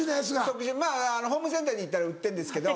特殊まぁホームセンターに行ったら売ってんですけど。